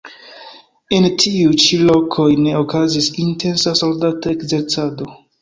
En tiuj ĉi lokoj ne okazis intensa soldata ekzercado.